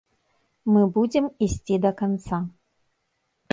Мы будзем ісці да канца.